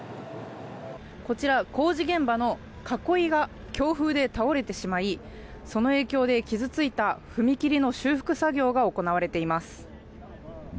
こちら、工事現場の囲いが強風で倒れてしまい、その影響で傷ついた踏切の修復作業が行われています。